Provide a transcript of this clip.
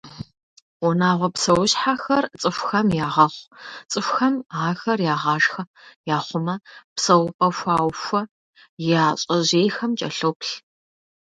Унагъуэ псэущхьэхэр цӏыхухэм ягъэхъу, цӏыхухэм ахэр ягъашхэ, яхъумэ, псэупӏэ хуаухуэ, я щӏэжьейхэм кӏэлъоплъ.